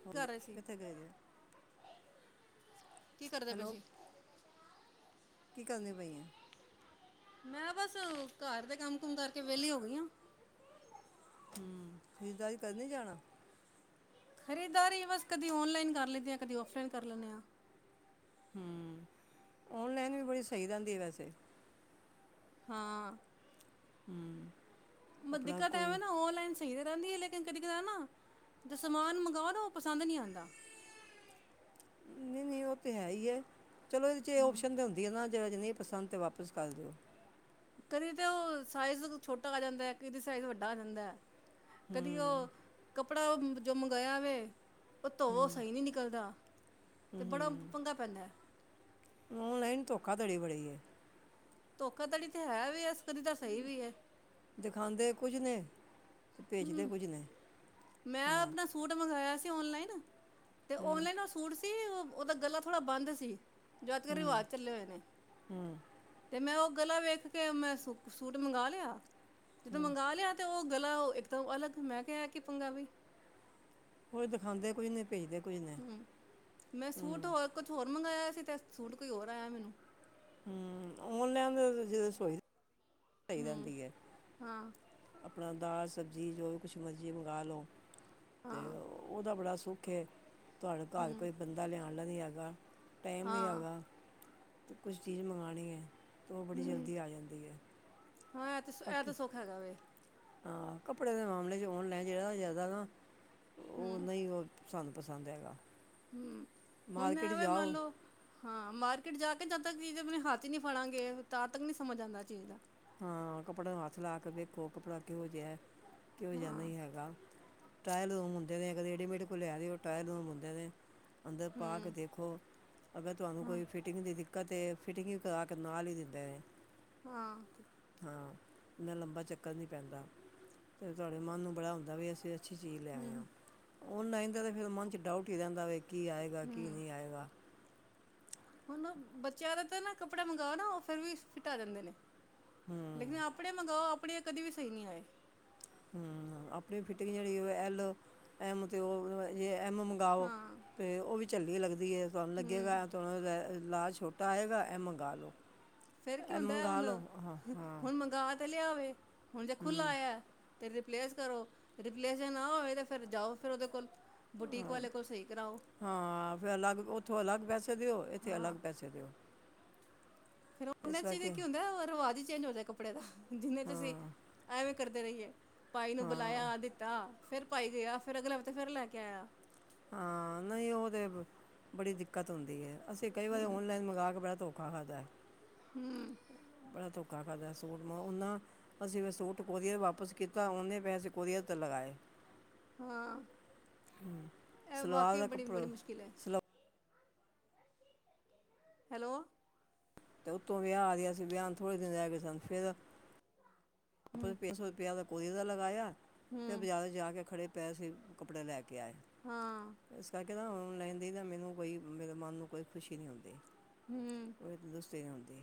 ਕੀ ਕਰ ਰਹੇ ਸੀ ਕੀ। ਕਰਦੇ। ਪਏ। ਹੈਲੋ ਸੀ। ਕੀ। ਕਰਨੀ। ਪਈਆਂ। ਮੈਂ ਬਸ ਘਰ ਦੇ ਕੰਮ ਕੁਮ ਕਰਕੇ ਵਿਹਲੀ ਹੋ ਗਈ ਹ। ਹੂੰ ਖਰੀਦਦਾਰੀ ਕਰਨ ਨੀ ਜਾਣਾ ਖਰੀਦਾਰੀ ਬਸ ਕਦੇ ਔਨਲਾਈਨ ਕਰ ਲੈਂਦੇ ਹਾਂ ਕਦੀ ਔਫਲਾਈਨ ਕਰ ਲੈਂਦੇ ਹਾਂ। ਹੂੰ ਔਨਲਾਈਨ ਵੀ ਬੜੀ ਸਹੀ ਰਹਿੰਦੀ ਹੈ ਵੈਸੇ ਹਾਂ। ਹੂੰ ਦਿੱਕਤ ਐ ਵੇ ਨਾ ਔਨਲਾਈਨ। ਸਹੀ ਤਾਂ ਰਹਿੰਦੀ ਹੈ ਲੇਕਨ ਕਦੇ ਕ ਨਾ ਜ ਸਮਾਨ ਮੰਗਓ ਨਾ ਉਹ ਪਸੰਦ ਨਹੀਂ ਆਉਂਦਾ। ਨਹੀਂ ਨਹੀਂ ਉਹ ਤਾਂ ਹੈ ਈ ਏ ਚਲੋ ਇਹਦੇ 'ਚ ਇਹ ਓਪਸ਼ਨ ਤਾਂ ਹੁੰਦੀ ਹੈ ਨਾ। ਜੇ। ਅਜ। ਨਹੀਂ। ਪਸੰਦ। ਤਾਂ। ਵਾਪਸ। ਕਰ। ਦਿਓ। ਕਦੀ ਤਾਂ ਉਹ ਸਾਈਜ਼ ਛੋਟਾ ਆ ਜਾਂਦਾ ਏ ਕਦੀ ਸਾਈਜ਼ ਵੱਡਾ ਆ ਜਾਂਦਾ ਹਏ। ਕਦੀ। ਉਹ। ਹੂੰ ਕੱਪੜਾ। ਜੋ। ਮੰਗਵਾਇਆ। ਵੇ। ਉਹ। ਧੋਵੋ। ਹੂੰ ਸਹੀ। ਨਹੀਂ। ਨਿਕਲਦਾ। ਤੇ। ਬੜਾ। ਹੂੰ ਭੰਗਾ। ਪੈਂਦਾ। ਔਨਲਾਈਨ ਧੋਖਾਧੜੀ ਬੜੀ ਏ। ਧੋਖਾ ਧੜੀ ਤੇ ਹੈ ਵੀ ਹੈ ਕਦੀ ਤਾਂ ਸਹੀ ਵੀ ਹੈ। ਦਿਖਾਉਂਦੇ ਕੁਝ ਨੇ। ਤੇ ਭੇਜਦੇ ਹਮ ਕੁਝ ਨੇ ਮੈਂ ਹਾਂ ਆਪਣਾ ਸੂਟ ਮੰਗਵਾਇਆ ਸੀ। ਓਨਲਾਈਨ। ਤੇ ਹੂੰ ਓਨਲਾਈਨ ਉਹ ਸੂਟ ਸੀ ਉਹਦਾ ਗਲਾ ਥੋੜ੍ਹਾ ਬੰਦ ਸੀ ਜੋ ਅਜ ਕੱਲ ਹੂੰ ਰਿਵਾਜ਼ ਚੱਲੇ ਹੋਏ ਨੇ। ਹੂੰ ਤੇ ਮੈਂ ਉਹ ਗਲਾ ਵੇਖ ਕੇ ਮੈਂ ਸੂ ਸੂਟ ਮੰਗਵਾ ਲਿਆ। ਜਦੋਂ ਹੂੰ ਮੰਗਾ ਲਿਆ ਤੇ ਉਹ ਗਲਾ ਇੱਕਦਮ ਅਲੱਗ ਮੈਂ ਕਿਹਾ ਕਿ ਪੰਗਾ ਵੀ ਕੁਝ ਦਿਖਾਉਦੇ ਕੁਝ ਨ। ਕਈਦਾ ਕੋਈ ਨਹੀਂ। ਹੂ ਮੈਂ ਸੂਟ ਹੋਰ ਕੁਛ ਹੋਰ ਮੰਗਵਾਇਆ ਸੀ ਅਤੇ ਸੂਟ ਕੋਈ ਹੋਰ ਆਇਆ ਮੈਨੂੰ ਹੂ ਮੁੰਡੇ ਜਦੋਂ ਸੋਇ ਸਹੀ ਹੂੰ ਰਹਿੰਦੀ ਹੈ ਹਾਂ ਆਪਣਾ ਦਲ ਸਬਜ਼ੀ ਜੋ ਵੀ ਕੁਛ ਮਰਜ਼ੀ ਮੰਗਾਵਾ ਲਓ ਤੇ ਹਾਂ ਓ ਉਹਦਾ ਬੜਾ ਸੁੱਖ ਹੈ ਤੁਹਾਡੇ ਘਰ ਹੂੰ ਕੋਈ ਬੰਦਾ ਲਿਆਉਣ ਵਾਲਾ ਨਹੀਂ ਹੈਗਾ ਟਾਈਮ ਨਹੀਂ ਹਾਂ ਹੈਗਾ ਅਤੇ ਕੁਛ ਚੀਜ਼ ਮੰਗਵਾਉਣੀ ਹੈ ਤਾਂ ਉਹ ਬੜੀ ਹੂੰ ਜਲਦੀ ਆ ਜਾਂਦੀ ਹੈ ਹਾਂ ਇਹ ਤੇ ਇਹ ਤਾਂ ਬਾਕੀ ਸੁੱਖ ਹੈਗਾ ਵ ਹਾਂ ਕੱਪੜੇ ਦੇ ਮਾਮਲੇ 'ਚ ਔਨਲਾਈਨ ਜਿਹੜਾ ਜ਼ਿਆਦਾ ਨਾ ਉਹ ਹੂੰ ਨਹੀਂ ਹੀ ਸਾਨੂੰ ਪਸੰਦ ਹੈਗਾ ਹੂੰ ਹੁਣ ਮਾਰਕੀਟ ਐ ਵੇ ਮੰਨ ਜਾਓ ਲਓ ਹਾਂ ਮਾਰਕੀਟ ਜਾ ਕੇ ਜਦ ਤੱਕ ਚੀਜ਼ ਆਪਣੇ ਹੱਥ ਹੀ ਨਹੀ ਫੜਾਂਗੇ ਤਾਂ ਤੱਕ ਨਹੀਂ ਸਮਝ ਆਉਂਦਾ ਚੀਜ਼ ਦਾ ਹਾਂ ਕੱਪੜਿਆਂ ਨੂੰ ਹੱਥ ਲਾ ਕੇ ਦੇੇਖੋ ਕੱਪੜਾ ਕਿਹੋ ਜਿਹਾ ਕਿਹੋ ਜਿਹਾ ਹਾਂ ਨਹੀਂ ਹੈਗਾ ਟ੍ਰੀ ਰੂਮ ਹੁੰਦੇ ਨੇ ਰੇਡੀਮੇਡ ਕੋਈ ਲੈ ਰੇ ਆ ਟ੍ਰੀ ਰੂਮ ਹੁੰਦੇ ਨੇ ਅੰਦਰ ਪਾ ਕੇ ਹੂੰ ਦੇਖੋ ਅਗਰ ਤੁਹਾਨੂੰ ਹਾਂ ਕੋਈ ਫਿਟ ਫਿਟਿੰਗ ਦੀ ਦਿੱਕਤ ਹੈ ਫਿਟਿੰਗ ਵੀ ਕਰਾ ਕੇ ਨਾਲ ਹੀ ਦਿੰਦੇ ਨੇ ਹਾਂ ਹਾਂ ਮੈਂ ਲੰਬਾ ਚੱਕਰ ਨੀ ਪੈਂਦਾ ਤੇ ਤੁਹਾਡੇ ਮਨ ਨੂੰ ਬੜਾ ਹੁੰਦਾ ਵੀ ਅਸੀਂ ਅੱਛੀ ਚੀਜ਼ ਲੈ ਹੂੰ ਆਇਆ ਔਨਲਾਈਨ ਤਾਂ ਫਿਰ ਮਨ 'ਚ ਡਾਊਟ ਹੀ ਰਹਿੰਦਾ ਵ ਕੀ ਆਏਗਾ ਕੀ ਹੂੰ ਨਹੀਂ ਆਏਗਾ ਹੁਣ ਬੱਚਿਆਂ ਦਾ ਤਾਂ ਨਾ ਕੱਪੜਾ ਮੰਗਓ ਨਾ ਉਹ ਫਿਰ ਵੀ ਫਿਟਾ ਆ ਜਾਂਦੇ ਨੇ। ਹੂੰ ਲੇਕਿਨ ਆਪਣੇ ਮੰਗਓ ਆਪਣੇ ਕਦੇ ਵੀ ਸਹੀ ਨਹੀਂ ਆਏ ਹੂ ਆਪਣੀ ਫਿਟਿੰਗ ਜਿਹੜੀ ਐਲ ਐਮ ਤੇ ਉਹ ਐਮ ਗਾਓ ਹਾਂ ਤੇ ਉਹ ਵੀ ਝੱਲੀ ਲੱਗਦੀ ਤੁਹਾਨੂੰ ਹੂੰ ਲੱਗੇਗਾ ਤੁਹੂੰ ਲਾਹ ਛੋਟ ਟਾਇਗਾ ਇਹ ਮੰਗਾ ਲਓ ਫਿਰ ਕੀ ਹੁੰਦਾ ਹੁਣ ਹਾਂ ਹਾਂ ਹੁਣ ਮੰਗਵਾ ਤੇ ਲਿਆਵੇ ਹੁਣ ਜੇ ਹਮ, ਖੁੱਲਾ ਆ ਤੇ ਰਿਪਲੇਸ ਕਰੋ ਰਿਪਲੇਸ ਨਾ ਹੋਵੇ ਤੇ ਫਿਰ ਜਾਓ ਫਿਰ ਉਹਦੇ ਕੋਲ ਬੁਟੀਕ ਵਾਲੇ ਕੋਲ ਸਹੀ ਕਰਾਓ ਹਾਂ ਫਿਰ ਅਲੱਗ ਉੱਥੋਂ ਅਲੱਗ ਪੈਸੇ ਦਿਓ ਇੱਥੇ ਅਲੱਗ ਹਾਂ ਪੈਸੇ ਦੇਓ ਫਿਰ ਉਹਨਾਂ ਚ ਕੀ ਹੁੰਦਾ ਰਿਵਾਜ਼ ਹੀ ਚੇਂਜ ਹੋਦਾ ਕੱਪੜੇ ਦਾ ਜਿੰਨਾਂ ਚ ਅਸੀਂ ਹਾਂ ਐਵੇਂ ਕਰਦੇ ਰਹੀਏ ਪਾਈ ਨੂੰ ਹਾਂ ਬੁਲਾਇਆ ਦਿੱਤਾ ਫਿਰ ਪਾਈ ਗਿਆ ਫਿਰ ਅਗਲੇ ਹਫ਼ਤੇ ਫਿਰ ਲੈ ਕੇ ਆਇਆ ਹਾਂ ਨਹੀਂ ਉਹ ਤਾਂ ਬੜੀ ਦਿੱਕਤ ਹੁੰਦੀ ਹੈ ਅਸੀਂ ਕਈ ਵਾਰੀ ਔਨਲਾਈਨ ਮੰਗਵਾ ਕੇ ਧੋ ਕਾਰਾ ਜਾਏ ਹੂੰ,,, ਬੜਾ ਧੋਖਾ ਕਰਦਾ ਸੂਟ ਮੈਂ ਓਨਾ ਅਸੀਂ ਸੂਟ ਕੋਰੀਅਰ ਵਾਪਿਸ ਕੀਤਾ ਉਹਨੇ ਪੈਸੇ ਕੋਰੀਅਰ ਤੇ ਲਗਾਏ ਹਾਂ ਇਹ ਸਲਵਾਰ ਵਾਕਈ ਦਾ ਬੜੀ ਬੜੀ ਕੱਪੜਾ ਮੁਸ਼ਕਿਲ ਹੈ ਸਲਵਾ ਹੈਲੋ ਅਤੇ ਉੱਤੋਂ ਵਿਆਹ ਆ ਗਿਆ ਸੀ ਵਿਆਹ ਨੂੰ ਥੋੜੇ ਦਿਨ ਰਹਿ ਗਏ ਸਨ ਫਿਰ ਆਪਣਾ ਪ ਪੰਜ ਸੌ ਰੁਪਇਆ ਦਾ ਕੋਰੀਅਰ ਦਾ ਲਗਾਇਆ ਫਿਰ ਹੂੰ ਬਜ਼ਾਰੋ ਜਾ ਕੇ ਖੜੇ ਪੈਸੇ ਕੱਪੜੇ ਲੈ ਕੇ ਆਏ ਹਾਂ ਇਸ ਕਰਕੇ ਤਾਂ ਔਨਲਾਈਨ ਦੀ ਤਾਂ ਮੈਨੂੰ ਕੋਈ ਮੇਰੇ ਮਨ ਨੂੰ ਕੋਈ ਖੁਸ਼ੀ ਨਹੀਂ ਹੁੰਦੀ ਹੂ,,, ਕੋਈ ਤੰਦੁਸਤੇ ਨਹੀਂ ਆਉਂਦੀ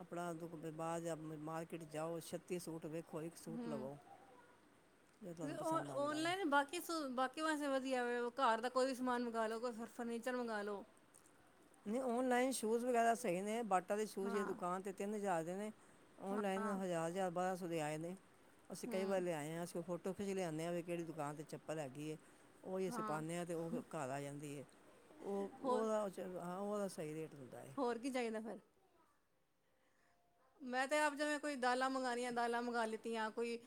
ਆਪਣਾ ਬਾਅਦ ਮਾਰਕਿਟ ਜਾਓ ਛੱਤੀ ਸੂਟ ਵਿੱਚ ਜੋ ਹੂ ਤੁਹਾਨੂੰ ਪਸੰਦ ਆਉਂਦਾ ਹੈ ਔਨਲਾਈਨ ਬਾਕੀ ਸਲੂ ਕਿ ਵਸੇ ਵਧੀਆ ਹੋ ਘਰ ਦਾ ਕੋਈ ਵੀ ਸਮਾਨ ਮੰਗਵਾ ਲੋੋ ਕੋਈ ਫਰਨੀਚਰ ਮੰਗ ਲ ਲੋ ਨਹੀਂ ਔਨਲਾਈਨ ਸ਼ੂਜ਼ ਵਗੈਰਾ ਸਹੀ ਨੇ ਬਾਟਾ ਦੇ ਸ਼ੂ ਹਾਂ ਦੁਕਾਨ 'ਤੇ ਤਿੰਨ ਹਜ਼ਾਰ ਦੇ ਨੇ ਔਨਲਾਈਨ ਹਾਂ ਹਜ਼ਾਰ ਹਜ਼ਾਰ ਬਾਰ੍ਹਾਂ ਸੌ ਆਏ ਨੇ ਅਸੀਂ ਕਈ ਵਾਰ ਹੂੰ ਲਿਆਏ ਹਾਂ ਅਸੀਂ ਉਹ ਫੋਟੋ ਟੋਫ ਚ ਲਿਆਉਦੇ ਹ ਵੀ ਕਿਹੜੀ ਦੁਕਾਨ ਤੇ ਚੱਪਲ ਹੈਗੀ ਹੈ ਓਈ ਅਸੀਂ ਹਾਂ ਪਾਨੇ ਆਂ ਤੇ ਓ ਘਰ ਆ ਜਾਂਦੀ ਐ ਓ ਹੋਰ ਓਦਾ ਹਾਂ ਓਦਾ ਸਈ ਰੇਟ ਹੁੰਦਾ ਏ। ਹੋਰ ਕੀ ਚਾਈਦਾ ਫਿਰ? ਮੈਂ ਤੇ ਆਪ ਜਿਵੇਂ ਕੋਈ ਦਾਲਾਂ ਮੰਗਾਣੀਆਂ ਦਾਲਾਂ ਮੰਗ ਲਿੱਤੀਆਂ ਕੋਈ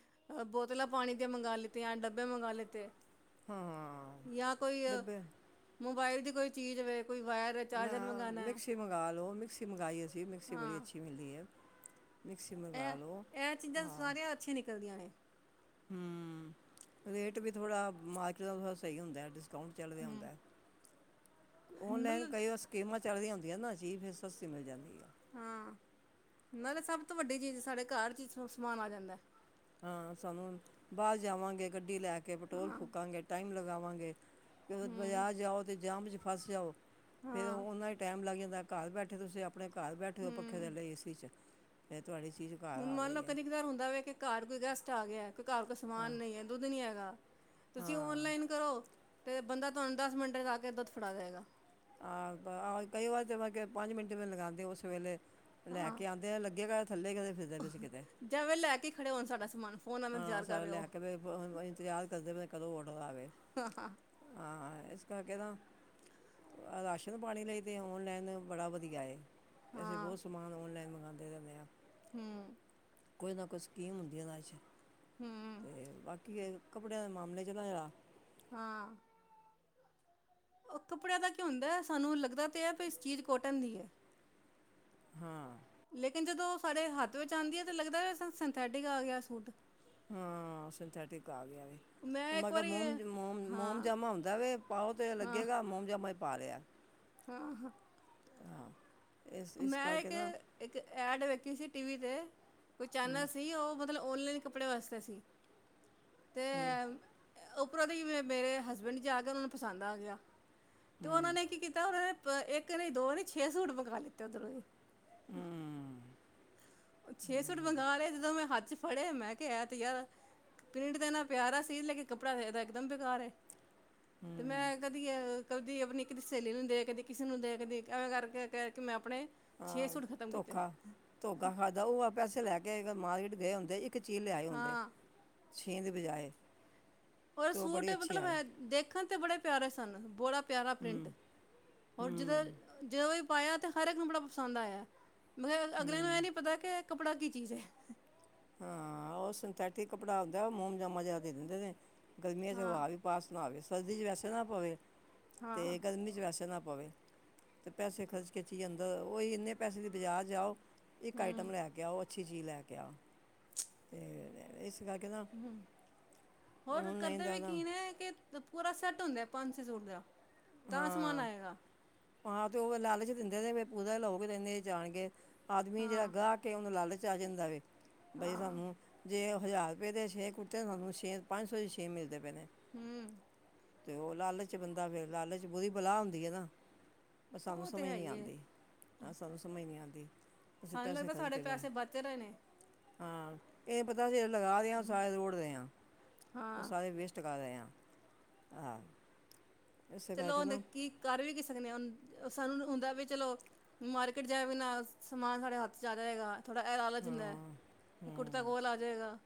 ਬੋਤਲਾਂ ਪਾਣੀ ਦੀਆਂ ਮੰਗਾਂ ਲਿੱਤੀਆਂ ਡੱਬੇ ਮੰਗ ਲਿੱਤੇ। ਹਾਂ ਜਾਂ ਕੋਈ ਡੱਬੇ ਮੋਬਾਇਲ ਦੀ ਕੋਈ ਚੀਜ਼ ਵੇ ਕੋਈ ਵਾਇਰ ਚਾਰਜਰ ਮੈਂ ਮੰਗਾਣਾ ਹੈ ਮਿਕਸੀ ਮੰਗਾਂਲੋ ਮਿਕਸੀ ਮੰਗਈ ਅਸੀਂ ਮਿਕਸੀ ਬੜੀ ਹਾਂ ਅੱਛੀ ਮਿਲਦੀ ਐ। ਮਿਕਸੀ ਮੰਗਾਵਾ ਲੋ ਹਾਂ। ਅੱਛੀ ਨਿਕਲਦੀਆਂ ਨੇ। ਹੂੰ ਰੇਟ ਵੀ ਥੋੜਾ ਮਾਰਕੀਟ ਦਾ ਥੋੜਾ ਸਈ ਹੁੰਦਾ [unintelligible] ਅਕਾਊਂਟ ਚਲਵੇ ਹੂੰ ਹੁੰਦਾ ਔਨਲਾਈਨ ਨਲ ਕਈ ਵ ਸਕੀਮਾਂ ਚੱਲਦੀਆਂ ਹੁੰਦੀਆਂ ਨਾ ਚੀਜ਼ ਫਿਰ ਸਸਤੀ ਮਿਲ ਜਾਂਦੀ ਆ ਹਾਂ ਨਾਲੇ ਸਭ ਤੋਂ ਵੱਡੀ ਚੀਜ਼ ਸਾਡੇ ਘਰ ਚ ਸਮਾਨ ਆ ਜਾਂਦਾ ਹਾਂ ਸਾਨੂੰ ਬਾਰ ਜਾਵਾਂਗੇ ਗੱਡੀ ਲੈ ਕੇ ਪੈਟਰੋਲ ਹਾਂ ਫੂਕਾਂਗੇ ਟਾਈਮ ਲਗਾਵਾਂਗੇ ਫਿਰ ਹੂੰ ਬਾਜ਼ਾਰ ਜਾਓ ਤੇ ਜਾਮ ਚ ਫਸ ਜਾਓ ਫਿਰ ਹਾਂ ਓਨਾਂ ਈ ਟੈਮ ਲੱਗ ਜਾਂਦਾ ਘਰ ਬੈਠੇ ਤੁਸੀਂ ਆ ਆਪਣੇ ਘਰ ਬੈਠੇ ਪੱਖੇ ਹੂੰ ਥੱਲੇ ਏ ਸੀ ਚ ਫਿਰ ਤੁਹਾਡੀ ਚੀਜ਼ ਘਰ ਹੁਣ ਆ ਮੰਨ ਲਓ ਗਈ ਹੈ ਕਦੀ ਕਦਾਰ ਹੁੰਦਾ ਵ ਕਿ ਘਰ ਕੋਈ ਗੈਸਟ ਆ ਗਿਆ। ਘਰ ਕੋ ਸਮਾਨ ਹਾਂ ਨਈ ਐ ਦੁੱਧ ਨੀ ਹੈਗਾ। ਤੁਸੀਂ ਹਾਂ ਔਨਲਾਈਨ ਕਰੋ ਤੇ ਬੰਦਾ ਤੁਹਾਨੂੰ ਦਸ ਮਿੰਟ ਜਾ ਕੇ ਦੁੱਧ ਫੜਾ ਜਾਏਗਾ। ਆ ਬਾ ਆ ਕਈ ਵਾਰ ਤਾਂ ਮੈਂ ਕਿਆ ਪੰਜ ਮਿੰਟ ਵੀ ਨੀ ਲਗਾਂਦੇ ਓਸ ਵੇਲੇ ਲੈ ਹਾਂ ਕੇ ਆਂਦੇ ਆ ਲੱਗੇਗਾ ਥੱਲੇ ਕਿਦੇ ਫਿਰਦੇ [unintelligible] ਕਿਤੇ ਜੈਵੇਂ ਲੈ ਕੇ ਖੜ੍ਹੇ ਹੋਣ ਸਾਡਾ ਸਮਾਨ। ਫੋਨਾਂ ਦਾ ਹਾਂ ਇੰਤਜ਼ਾਰ ਕਰ ਸਾਰੇ ਰਹੇ ਲੈ ਹੋ ਕੇ ਇੰਤਜ਼ਾਰ ਕਰਦੇ ਪ ਕਦੋਂ ਔਡਰ ਆਵੇ। ਹਾਂ ਹਾਂ ਇਸ ਕਰਕੇ ਤਾਂ ਰਾਸ਼ਨ ਪਾਣੀ ਲਈ ਤੇ ਔਨਲਾਈਨ ਬੜਾ ਵਧੀਆ ਏ। ਅਸੀਂ ਹਾਂ ਬੋਤ ਸਮਾਨ ਔਨਲਾਈਨ ਮੰਗਾਂਦੇ ਰੈਂਦੇ ਆਂ। ਹੂੰ ਕੋਈ ਨਾ ਕੋਈ ਸਕੀਮ ਹੁੰਦੀ ਐ ਏਨਾ ਚ ਹੂੰ। ਤੇ ਬਾਕੀ ਏ ਕੱਪੜਿਆਂ ਦੇ ਮਾਮਲੇ ਚ [unintelligible] ਹਾਂ। ਓ ਕੱਪੜਿਆਂ ਦਾ ਕੀ ਹੁੰਦਾ ਸਾਨੂੰ ਲੱਗਦਾ ਤਾ ਐ ਵੀ ਇਸ ਚੀਜ਼ ਕੋਟਨ ਦੀ ਐ। ਹਾਂ। ਲੇਕਿਨ ਜਦੋਂ ਓ ਸਾਡੇ ਹੱਥ ਵਿੱਚ ਆਂਦੀ ਆ ਤੇ ਲੱਗਦਾ ਸਿੰਥੈਟਿਕ ਆ ਗਿਆ ਸੂਟ। ਹਾਂ ਸਿੰਥੈਟਿਕ ਆ ਗਿਆ ਵੀ। ਮੈਂ ਇੱਕ ਕਾ ਵਾਰੀ ਹਾਂ ਮੋਮ-ਮੋਮ ਹਾਂ ਮੋਮਜਾਮਾ ਹੁੰਦਾ ਵ ਪਾਓ ਤਾਂ ਲੱਗੇਗਾ ਮੋਮ ਜਾਮਾ ਪਾ ਰਿਆ। ਹਾਂ-ਹਾਂ ਹਾਂ। ਇਸ ਇਸ ਮੈਂ ਕਰਕੇ ਨਾ ਇੱਕ-ਇੱਕ ਐਡ ਵੇਖੀ ਸੀ ਟੀ ਵੀ ਤੇ ਕੋਈ ਹਮ, ਚੈਨਲ ਸੀ ਓ ਤਲਬ ਔਨਲਾਈਨ ਕੱਪੜੇ ਵਾਸਤੇ ਸੀ ਤੇ ਹੂੰ। ਉੱਪਰੋਂ ਦੀ ਮੇਰੇ ਹਸਬੈਂਡ ਜਾ ਕੇ ਓਨਾਂ ਨੂੰ ਪਸੰਦ ਆ ਗਿਆ। ਤੇ ਓਨਾਂ ਹਮ, ਨੇ ਕੀ ਕੀਤਾ ਓਨਾ ਨੇ ਇੱਕ ਨੀ ਦੋ ਨੀ ਛੇ ਸੂਟ ਮੰਗਾ ਲਿੱਤੇ ਓਧਰੋਂ ਹੀ। ਹੂੰ। ਛੇ ਸੂਟ ਮੰਗਾ ਲੇ ਜਦੋਂ ਮੈਂ ਹੱਥ ਚ ਫੜੇ ਮੈਂ ਕਿਆ ਐ ਤੇ ਯਾਰ ਪ੍ਰਿੰਟ ਤੇ ਇੰਨਾ ਪਿਆਰਾ ਸੀ ਲੇਕਿਨ ਕੱਪੜਾਦਾ ਇਕਦਮ ਬੇਕਾਰ ਏ। ਤੇ ਹਮ, ਮੈਂ ਕਦੀ ਅ ਕਦੀ ਆਪਣੀ ਇੱਕ [unintelligible] ਸਹੇਲੀ ਨੂੰ ਦੇ ਕਦੀ ਕਿਸੇ ਨੂੰ ਦੇਖਦੀ ਐਵੇਂ ਕਰਕੇ ਕਰਕੇ ਮੈਂ ਆਪਣੇ ਛੇ ਹਾਂ ਸੂਟ ਖਤਮ ਕੀਤੇ ਧੋਖਾ-ਧੋਖਾ ਖਾਧਾ ਓ ਆ ਪੈਸੇ ਲੈ ਕੇ ਮਾਰਕੀਟ ਗਏ ਹੁੰਦੇ ਇੱਕ ਇੱਕ ਚੀਜ਼ ਲਿਆਏ ਹਦੇ ਹਾਂ ਛੇਂ ਦੇ ਬਜਾਏ। ਔਰ ਤੇ ਉਹ ਸੂਟ ਬੜੀ ਅੱਛੀ ਮਤਲਬ ਆਏ ਦੇਖਣ ਤੇ ਬੜੇ ਪਿਆਰੇ ਸਨ ਬੋੜਾ। ਪਿਆਰਾਾ ਪ੍ਰਿੰਟ ਹੂੰ ਜ ਹੂੰ ਜਿਹੋਂ ਪਾਇਆ ਤਾਂ ਹਰ ਇੱਕ ਨੂੰ ਬੜਾ ਪਸੰਦ ਆਇਆ। ਮਗ ਕਿਹਾ ਅਗਲਿਆਂ ਨੂੰ ਇਹ ਹੂੰ ਨਹੀਂ ਪਤਾ ਕਿ ਕੱਪੜਾ ਕੀ ਚੀਜ਼ ਹੈ। ਹਾਂ ਉਹ ਸਿੰਥੈਟਿਕ ਕੱਪੜਾ ਆਉਂਦਾ ਮੋਮਜਾਮਾ ਜਿਆਦਾ ਦੇ ਦਿੰਦੇ ਨੇ ਗਰਮੀਆਂ 'ਚ ਹਾਂ ਹਵਾ ਵੀ ਉਪਸ ਨਾ ਆਵੇ ਸਰਦੀ ' ਵੈਸੇ ਨਾ ਪਵੇ ਹਾਂ ਤੇ ਗਰਮੀ ਚ ਵੈਸੇ ਨਾ ਪਵੇ। ਪੈਸੇ ਖਰਚ ਖਿੱਚ ਅੰਦਰ ਇੰਨੇ ਪਸੇ ਦੀ ਬਜ਼ਾਰ ਜਾਓ ਇੱਕ ਹਮ ਆਈਟਮ ਲੈ ਕੇ ਗਿਆ ਉਹ ਅੱਛੀ ਚੀਜ਼ ਲੈ ਕੇ ਆ। ਅਤੇ ਇਸ ਨਾ ਹਮ ਹੋਰ ਔਨਲਾਈਨ ਕਰਦੇ ਜ਼ਿਆਦਾ ਵੀਕੀਨ ਕਿ ਪੂਰਾ ਸੈੱਟ ਹੁੰਦਾ ਪੰਜ ਛੇ ਸੂਟ ਦਾ। ਤਾਂ ਸਮਾਨ ਆਏਗਾ ਹਾਂ-ਹਾਂ ਤੇ ਓ ਲਾਲਚ ਦਿੰਦੇ ਨੇ [unintelligible] ਜਾਣਗੇ। ਆਦਮੀ ਜੇੜਾ ਹਾਂ ਗਾ ਕੇ ਓਨੂੰ ਲਾਲਚ ਆ ਜਾਂਦਾ ਵੇ ਬਈ ਹਾਂ ਸਾਨੂੰ ਜੇ ਹਜ਼ਾਰ ਰੁਪਏ ਦੇ ਛੇ ਕੁੜਤੇ ਤੁਹਾਨੂੰ ਛੇ ਪੰਜ ਸੌ ਦੇ ਛੇ ਮਿਲਦੇ ਪਏ ਨੇਮ ਹਮ। ਤੇ ਉਹ ਲਾਲਚ ਬੰਦਾ ਫਿਰ ਲਾਲਚ ਬੁਰੀ ਪਲਾਹ ਹੁੰਦੀ ਹੈ ਨਾ। ਪਰ ਸਾਨੂੰ ਉਹ ਤੇ ਸਮਝ ਹੈ ਨਹੀਂ ਹੀ ਹੈ ਆਉਂਦੀ। ਸਾਨੂੰ ਸਮਝ ਨਹੀਂ ਆਉਂਦੀ ਅਸੀ ਸਾਨੂੰ ਪੈਸੇ ਲੱਗਦਾ ਖਚ ਸਾਡੇ ਕੇ ਪੈ ਪੈਸੇ ਬਚ ਰਹੇ ਨੇ ਹਾਂ ਇਹ ਪਤਾ ਅਸੀਂ ਲਗਾ ਦੇ ਹਾਂ ਸਾਰੇ ਦੋੜਦੇ ਹਾਂ ਉਹ ਹਾਂ ਸਾਰੇ ਵੇਸਟ ਪੁਟਕਾਰਾਲ ਹਾਂ ਆਂ। ਚਲੋ ਕੀ ਕਰ ਵੀ ਕਿਸੇਦੇ ਸਾਨੂੰ ਹੁੰਦਾ ਵੀ ਚਲੋ। ਮਾਰਕੀਟ ਜਾ ਵੀ ਨਾ ਸਮਾਨ ਸਾਡੇ ਹੱਥ ਜ਼ਿਆ ਰਿਦਾ ਹੈਗਾ। ਥੋੜਾ ਹੈਰਾਾਲਾ ਜਾਂਿੰਦਾ ਹਾਂ ਵੀ ਕੁੜਤਾ ਹੂੰ ਕੋਲ ਆ ਜਾਵੇਗਾ।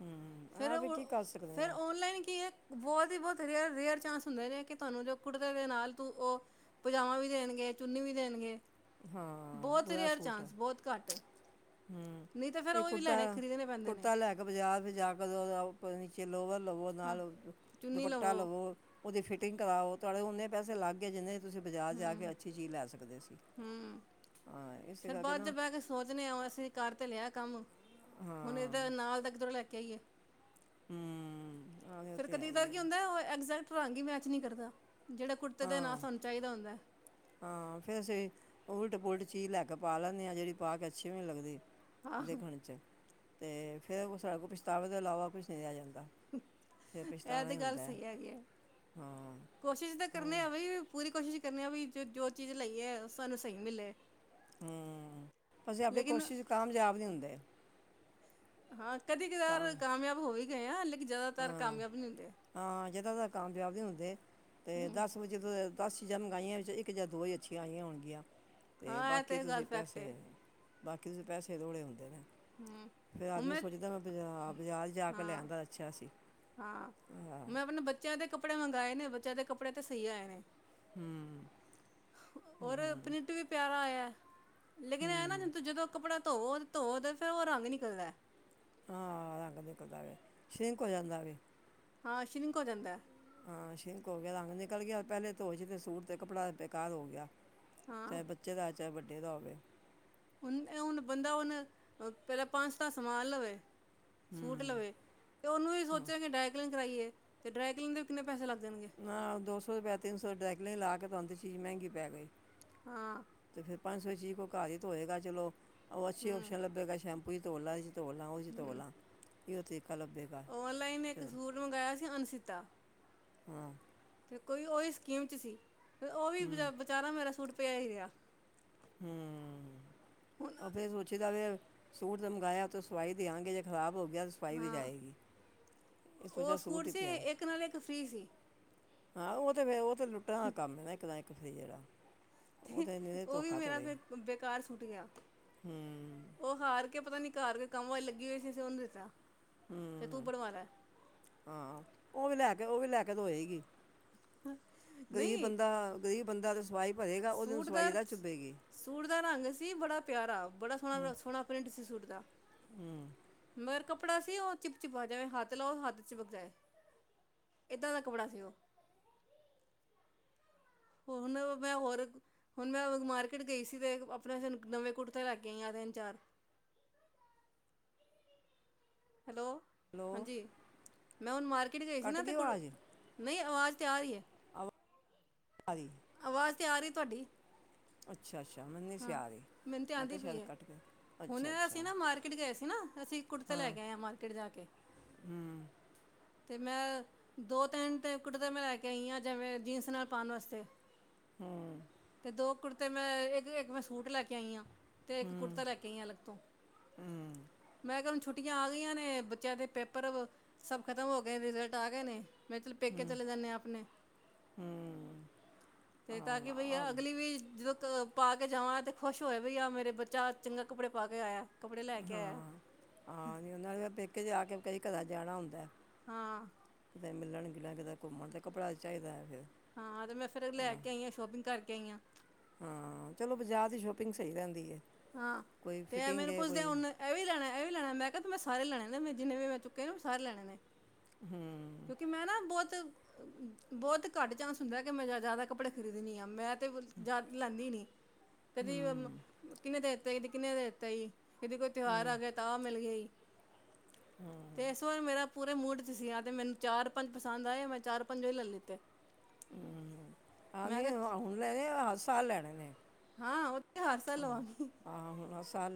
ਹੂੰ ਫਿਰ ਆਹ ਵੀ ਕੀ ਕਰ ਸਕਦੇ ਫਿਰ ਹਾਂ ਔਨਲਾਈਨ ਕੀ ਹੈ। ਬਹੁਤ ਹੀ ਬਹੁਤ ਰੇਅਰ ਰੇਅਰ ਚਾਂਸ ਹੁੰਦਾ ਰਿਹਾ। ਤੁਹਾਨੂੰ ਜੋ ਕੁੜਤੇ ਦੇ ਨਾਲ ਤੂੰ ਉਹ ਪਜਾਮਾ ਵੀ ਦੇਣਗੇ ਚੁੰਨੀ ਵੀ ਦੇਣਗੇ। ਹਾਂ ਬਹੁਤ ਬੁਰਾ ਰੇਅਰ ਸੂਟ ਆ ਚਾਂਸ ਬਹੁਤ ਘੱਟ ਹੂੰ ਨਹੀਂ ਤਾਂ ਫੇਰ ਇਹ ਉਹ ਵੀ ਲੈਣੇ ਕੁੜਤਾ ਖਰੀਦਣੇ ਪੈਂਦੇ ਨੇ। ਕੁੜਤਾ ਲੈ ਬਾਜ਼ਾਰ ਫ ਜਾ ਕੇ ਨੀਚੇ ਲੋਵਰ ਲਵੋ ਹਾਂ ਨਾਲ ਦੁਪੱਟਾ ਲਵੋ ਉਹਦੀ ਫਿਟਿੰਗ ਕਰਵਾਓ ਤੁਹਾਡੇ ਉਓਨੇ ਪੈਸੇ ਲੱਗ ਗਏ ਜਿਹਦੇ ਦੀ ਤੁਸੀਂਜ਼ਾਰ ਜਾ ਕੇ ਅੱਛੀ ਚੀਜ਼ ਲੈ ਸਕਦੇ ਸੀ। ਹਮ ਹਾਂ ਇਸੇ ਫਿਰ ਕਰਕੇ ਬਾਅਦ ਚ ਨਾ ਬਹਿ ਕੇ ਸੋਚਦੇ ਆ ਅਸੀਂ ਕਰ ਤੇ ਲਿਆ ਕੰਮ ਹੁਣ ਹਾਂ ਇਹਦਾ ਨਾਲ ਤ ਕਿੱਧਰੋਂ ਲੈ ਕੇ ਆਈਏ। ਹੂੰ ਆਹੋ ਉਹ ਫਿਰ ਤੇ ਕਦੀ ਹੈ ਹੀ ਤਾਰ ਹੈ ਕੀ ਹੁੰਦਾ ਉਹ ਐਗਜੈਕਟ ਰੰਗ ਹੀ ਮੈਚ ਨਹੀਂ ਕਰਦਾ ਜਿਹੜਾ ਕੁੜਤੇ ਦਾ ਨਾਲ ਹਾਂ ਸਾਨੂੰ ਚਾਹੀਦਾ ਹੁੰਦਾ। ਹਾਂ ਫੇਰ ਅਸੀਂ ਉਲਟ ਪੁਲਟ ਚੀਜ਼ ਲੈ ਕੇ ਪਾ ਲੈਂਦੇ ਆਾਂ ਜਿਹੜੀ ਪਾ ਕੇ ਅੱਛੀ ਵੀ ਨਹੀਂ ਲੱਗਦੀ। ਹਾਂ ਦੇਖਣ 'ਚ ਤੇ ਫਿਰ ਪਛਤਾਵੇ ਦੇ ਇਲਾਵਾ ਕੁਛ ਨਹੀਂ ਲਿਆ ਜਾਂਦਾ। ਫਿਰ ਇਹ ਪਛਤਾਉਣਾ ਤੇ ਹੀ ਗੱਲ ਹੁੰਦਾ ਸਹੀ ਹੈਗੀ ਹੈ ਹਾਂ। ਕੋਸ਼ਿਸ਼ ਤਾਂ ਹੋਰ ਕਰਨੇ ਆ ਬ ਪੂਰੀ ਕੋਸ਼ਿਸ਼ ਕਰਨੇ ਆ ਵੀ ਜੋ ਜੋ ਚੀਜ਼ ਲਈ ਹੈ ਸਾਨੂੰ ਸਹੀ ਮਿਲੇ। ਹ ਅਸੀਂ ਆਪਣੀ ਲੇਕਿਨ ਕੋਸ਼ਿਸ਼ 'ਚ ਕਾਮਯਾਬ ਨਹੀਂ ਹੁੰਦੇ। ਹਾਂ ਕਦੇ ਕਦੇਾਰ ਕਾਮ ਕਾਮਯਾਬ ਹੋ ਵੀ ਗਏ ਆ ਲੇਕਿਨ ਜ਼ਿਆਦਾਤਰ ਹਾਂ ਕਾਮਯਾਬ ਨੀ ਹੁੰਦੇ। ਹਾਂ ਜਿੱਦਾਂ ਕਾਮਯਾਬ ਨਹੀਂ ਹੁੰਦੇ ਅਤੇ ਹੂੰ ਦਸ ਵੇ। ਜਦੋਂ ਦਸ ਜਨਮ ਗਾਈਆਂ ਵਿੱਚ ਇੱਕ ਜਾਂ ਦੋ ਹੀ ਅੱਛੀਆਂ ਆਈਆਂ ਹੋਣਗੀਆਂ। ਅਤੇ ਹਾਂ ਇਹ ਬਾਕੀ ਤੇ ਗੱਲ ਤੁਸੀਂ ਫੈਕਟ ਹੈ ਪੈਸੇ ਬਾਕੀ ਤੁਸੀਂ ਪਸੇ ਤੋੜੇ ਆਉਦੇ ਨੇ ਹੂੰ ਫਿਰ ਹੁਣ ਆਦਮੀ ਸੋਚਦਾ ਮੈਂ ਬ ਬਜ਼ਾਰ ਜਾ ਕੇ ਹਾਂ ਲੈਣਦਾ। ਹਾਂ ਮੈਂ ਆਪਣੇ ਬੱਚਿਆਂ ਦੇ ਕੱਪੜੇ ਮੰਗਵਾਏ ਨੇ ਬੱਚਿਆਂ ਦੇ ਕੱਪੜੇ ਤੇ ਸਹੀ ਆਏ ਨੇ। ਹੂੰ ਹੋਰ ਹੂੰ ਪ੍ਰਿੰਟ ਵੀ ਪਿਆਰਾ ਆ। ਲੇਕਿਨ ਇਹ ਨਾ ਹੂੰ ਜ ਤੂੰ ਜਦੋਂ ਕਪੜਾ ਧੋ ਧੋ ਤਾਂ ਫਿਰ ਉਹ ਰੰਗ ਨ ਨਹੀਂ ਨਿਕਲਦਾ। ਹਾਂ ਰੰਗ ਨਖਦਾ ਵ ਿੰਕ ਹੋ ਜਾਂਦਾ ਵੀ। ਹਾਂ ਅਸ਼ਨੀਕੋ ਜਾਂਿੰਦਾ। ਹਾਂ ਸ਼ਿੰਕ ਹੋ ਗਿਆ ਰੰਗ ਨਿਕਲ ਗਿਆ ਪਹਿਲੇ ਧੋਸ਼ ਤੇ ਸੂਟ ਤੇ ਕੱਪੜਾ ਬੇਕਾਰ ਹੋ ਗਿਆ ਹਾਂ ਚਾਹੇ ਬੱਚੇ ਦਾ ਚਾਹੇ ਵੱਡ ਦਾ ਹੋਵੇ। ਹੁਣ ਹੁਣ ਬੰਦਾ ਹੁਣ ਪਹਿਲਾਂ ਪੰਜ ਦਾ ਸਮਾਲ ਲਵੇ। ਸੂਟ ਹੂੰ ਲਵੇ ਤੇ ਉਹਨੂੰ ਵੀ ਸੋਚਿਆ ਕਿ ਡਾਇਕਲਿੰਗ ਕਰਾਈਏ। ਅਤੇ ਡਰਾਈਕਲਿੰ ਦੇ ਕਿਨੇ ਪੈਸੇ ਲੱਗ ਜਾਗੇ। ਨਾ ਦੋ ਸੌ ਰੁਪਏ ਆ ਤਿੰਨ ਸੌ ਡਰਿਕਲੀਨ ਲਾ ਕੇ ਤੁਹਾਨੂੰ ਤੇ ਚੀਜ਼ ਮਹਿੰਗੀ ਪੈ ਗਈ ਹਾਂ ਤੇ ਫਿਰ ਪੰਜ ਸੌ ਚੀਜ਼ ਕੋਈ ਘਰ ਹੀ ਧੋਏਗਾ ਚਲੋ ਉਹ ਅੱਛੀ ਹੂੰ ਓਪਸ਼ਨ ਲੱਭੇਗਾ ਸ਼ੈਂਪੂ ਚ ਧੋ ਲੈ ਧੋ ਲਾ ਉੰਝ ਧੋ ਲਾ ਕੀ ਉੱਥੇ ਲਭੇ ਔਨਲਾਈਨ ਇੱਕ ਸੂਟ ਮੰਗਵਾਇਆ ਸੀ ਹੁਣ ਸਿੱਤਾ ਹਾਂ ਅਤੇ ਕੋਈ ਉਹੀ ਸਕੀਮ 'ਚ ਸੀ ਅਤੇ ਉਹ ਵੀ ਵਿਚਾਰਾ ਮੇਰਾ ਸੂਟ ਪਿਆ ਹੀ ਰਿਹਾ ਹਮ ਉਹ ਫਿਰ ਸੋਚੀਦਾ ਵੀ ਸੂਟ ਤਾਂ ਮੰਗਵਾਇਆ ਤਾਂ ਸਵਾਈ ਦੇਆਂਗੇ ਜੇ ਖਰਾਬ ਹੋ ਗਿਆ ਤਾਂ ਸਵਾਈ ਵੀ ਹਾਂ ਜਾਏਗੀ ਉਹ ਸੂਟ ਸੀ ਇੱਕ ਨਾਲ ਇੱਕ ਫ੍ਰੀ ਸੀ ਹਾਂ ਉਹ ਤੇ ਫਿਰ ਉਹ ਤਾਂ ਲੁੱਟਣ ਦਾ ਕੰਮ ਹੈ ਨਾ ਇੱਕ ਨਾਲ ਇੱਕ ਫਰੀ ਜਿਹੜਾ ਉਹ ਤੇ ਇਹਨੇ ਉਹ ਵੀ ਧੋਖਾ ਮੇਰਾ ਧੜੇ ਬੇਕਾਰ ਸੂਟ ਗਿਆ ਹੂੰ ਉਹ ਹਾਰ ਕੇ ਪਤਾ ਨੀ ਘਾਰ ਕੇਈ ਕੰਮ ਵਾਲੀ ਲੱਗੀ ਹੋਈ ਸੀ ਅਸੀਂ ਉਹਨੂੰ ਦਿੱਤਾ ਤੇ ਤੂੰ ਹੂੰ ਬਣਵਾਲੈ ਹਾਂ ਉਹ ਵੀ ਲੈ ਕੇ ਉਹ ਵੀ ਲੈ ਕੇ ਦੇਏਗੀ ਗਰੀਬ ਨਹੀਂ ਬੰਦਾ ਕੋਈ ਬੰਦਾ ਸਵਾਈ ਭਰੇ ਉਦੋਂ ਸੂਟ ਦਾ ਸਵਾਈ ਤੇ ਚੁਬੇਗ ਸੂਟ ਦਾ ਰੰਗ ਸੀ ਬੜਾ ਪਿਆਰਾ ਬੜਾ ਸੋਹਣਾ ਸੋਹਣਾ ਪ੍ਰਿੰਟ ਸੀ ਸੂਟ ਦਾ ਹੂ,,, ਮਗਰ ਕੱਪੜਾ ਸੀ ਉਹ ਚਿਪ ਚਿਪਾ ਜਾ ਹੱਥ ਲਾਓ ਹੱਥ ਚਿਪਕ ਜਾਏ ਇੱਦਾਂ ਦਾ ਕੱਪੜਾ ਸੀ ਉਹ ਹੁਣ ਮੈਂ ਹੋਰ ਹੁਣ ਮੈਂ ਮਾਰਕੀਟ ਗਈ ਸੀ ਤੇ ਆਪਣੇ ਨਵੇਂ ਕੁੜਤੇ ਲੈ ਕੇ ਆਈ ਆਂ ਤਿੰਨ ਚਾਰ ਹੈਲੋ ਹੈਲੋ ਹਾਂਜੀ ਮੈਂ ਹੁਣ ਮਾਰਕੀਟ ਗਈ ਸੀ ਨਾ ਤੇ ਕੁੜ ਨਹੀਂ ਆਵਾਜ਼ ਤੇ ਆ ਰਹੀ ਹੈ ਅ ਆਈ ਆਵਾਜ਼ ਤੇ ਆ ਰਹੀ ਤੁਹਾਡੀ ਅੱਛਾ ਅੱਛਾ ਮੰਨੀ ਸੀ ਹਾਂ ਆ ਰਹੀ ਮੈਨੂੰ ਤਾਂ ਮੈਂ ਆਉਂਦੀ ਕਿਹਾ ਪਈ ਸ਼ਾਇਦ ਹੈ ਕੱਟ ਗਈ ਹੁਣ ਅੱਛਾ ਅਸੀਂ ਅੱਛਾ ਨਾ ਮਾਰਕੀਟ ਗਏ ਸੀ ਨਾ ਅਸੀਂ ਕੁੜਤੇ ਲੈ ਕੇ ਆਏ ਹਾਂ ਮਾਰਕੀਟ ਜਾ ਕੇ ਹੂ,,, ਤੇ ਮੈਂ ਦੋ ਤਿੰਨ ਤੇ ਕੁੜਤੇ ਮੈਂ ਲੈ ਕੇ ਆਈ ਹਾਂ ਜੈਵੇਂ ਜੀਨਸ ਨਾਲ ਪਾਉਣ ਵਾਸਤੇ ਹੂ,,, ਅਤੇ ਦੋ ਕੁੜਤੇ ਮੈਂ ਇੱਕ ਇੱਕ ਮੈਂ ਸੂਟ ਲੈ ਕੇ ਆਈ ਹਾਂ ਤੇ ਇੱਕ ਹੂੰ ਕੁੜਤਾ ਲੈ ਕੇ ਆਈ ਆ ਅਲੱਗ ਤੋਂ ਹੂੰ ਮੈਂ ਕਿਹਾ ਹੁਣ ਛੁਟ ਛੁੱਟੀਆਂ ਆ ਗਈਆਂ ਨੇ ਬੱਚਿਆਂ ਦੇ ਪੇਪਰ ਖ਼ਤਮ ਹੋ ਗਏ ਰਿਜ਼ਲਟ ਆ ਗਏ ਨੇ ਮੈਂ ਚਲ ਪੇਕੇ ਚਲੇ ਜਾਂਦੇ ਹਾਂ ਆਪਣੇ ਹੂ,,, ਤੇ ਤਾਂ ਕਿ ਬਈ ਅਗਲੀ ਵੀ ਜਦੋਂ ਕ ਪਾ ਕੇ ਜਾਵਾਂ ਤੇ ਖੁਸ਼ ਹੋਇਆ ਬਈ ਆ ਮੇਰੇ ਬੱਚਾ ਚੰਗਾ ਕੱਪੜੇ ਪਾ ਕੇ ਆਇਆ ਕੱਪੜੇ ਲੈ ਕੇ ਆਇਆ ਹਾਂ ਜ ਉਹਨਾਂ ਨੂੰ ਪੇਕੇ ਜਾ ਕੇ ਕਈ ਘਰ ਜਾਣਾ ਹੁੰਦਾ ਹਾਂ ਕਿਤੇ ਮਿਲਣ ਗਿੱਣ ਕਿਤੇ ਘੁੰਮਣ ਤਾਂ ਕੱਪੜਾ ਚਾਹੀਦਾ ਹੈ ਫਿਰ ਹਾਂ ਤੇ ਮੈਂ ਫਿਰ ਲੈ ਹਾਂ ਕੇ ਆਈ ਆਂ ਸ਼ੋਪਿੰਗ ਕਰਕੇ ਆਈ ਆਂ ਹਾਂ ਚਲੋ ਬਾਜਾਰ ਦੀ ਸ਼ੋਪਿੰਗ ਸਹੀ ਰਹਿੰਦੀ ਹੈ ਹਾਂ ਕੋਈ ਤੇ ਫਿਟਿੰਗ ਮੈਨੂੰ ਹੈ ਪੁੱਛਦੇ ਕੋਈ ਹੁਨ ਇਹ ਵੀ ਲੈਣਾ ਐ ਇਹ ਵੀ ਲੈਣਾ ਮੈਂ ਕਿਹਾ ਤੂੰ ਮੈਂ ਸਾਰੇ ਲੈਣੇ ਨੇ ਮੈਂ ਜਿੰਨੇ ਵੀ ਮੈਂ ਚੁੱਕੇ ਨੇ ਉਹ ਸਾਰੇ ਲੈਣੇ ਨੇ ਕਿਉਂਕਿ ਮੈਂ ਨਾ ਬਹੁਤ ਬਹੁਤ ਘੱਟ ਚਾਂਸ ਹੁੰਦਾ ਕਿ ਮੈਂ ਜ਼ਿਆਦਾ ਕੱਪੜੇ ਖਰੀਦਣੀ ਆ ਮੈਂ ਲੈਂਦੀ ਨੀ ਕਦੀ ਕਿੰਨੇ ਦਾ ਦਿੱਤਾ ਕਦੀ ਕਿੰਨੇ ਦਾ ਦਿੱਤਾ ਏ ਕਿਦੀ ਕੋਈ ਤਿਉਹਾਰ ਆ ਗਿਆ ਤਾਂ ਆ ਮਿਲ ਗਿਆ ਹੀ ਤੇ ਇਸ ਵਾਰ ਮੇਰਾ ਪੂਰੇ ਮੂਡ ਚ ਸੀ ਤੇ ਮੈਨੂੰ ਚਾਰ ਪੰਜ ਪਸੰਦ ਆਏ ਮੈਂ ਚਾਰ ਪੰਜ ਹੀ ਲੈ ਲਿੱਤੇ ਹੂ ਆਹ ਨ ਮੈਂ ਕਿਹਾ ਹੁਣ ਲੈਣੇ ਆ ਹਰ ਸਾਲ ਲੈਣੇ ਨੇ ਹਾਂ ਉਹ ਤੇੇ ਹਰ ਸਾਲ ਲਵਾਉਣੀ ਆ ਹੁਣ ਸਾਲ